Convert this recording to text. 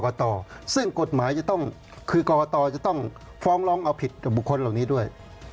ซึ่งกฎหมายจะต้องคือกรกตจะต้องฟ้องร้องเอาผิดกับบุคคลเหล่านี้ด้วย